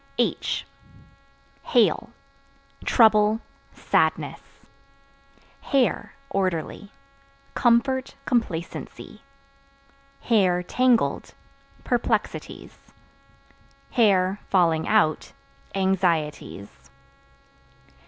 H Hail Trouble, sadness. Hair (Orderly) comfort, complacency; (tangled) perplexities; (falling out) anxieties.